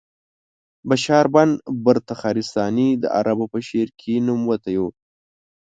بشار بن برد تخارستاني د عربو په شعر کې نوموتی و.